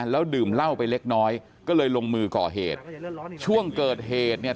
แล้วดื่มเหล้าไปเล็กน้อยก็เลยลงมือก่อเหตุช่วงเกิดเหตุเนี่ย